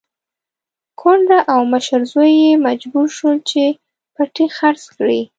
کونډه او مشر زوی يې مجبور شول چې پټی خرڅ کړي.